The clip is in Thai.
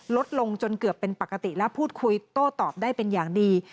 ลดลงจนเกือบเป็นปกติและพูดคุยโต้ตอบได้เป็นอย่างดี